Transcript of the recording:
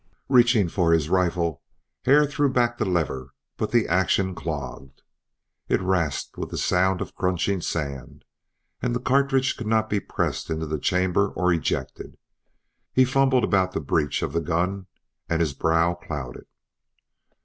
Reaching for his rifle Hare threw back the lever, but the action clogged, it rasped with the sound of crunching sand, and the cartridge could not be pressed into the chamber or ejected. He fumbled about the breach of the gun and his brow clouded.